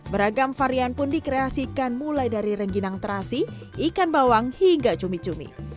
beragam varian pun dikreasikan mulai dari rengginang terasi ikan bawang hingga cumi cumi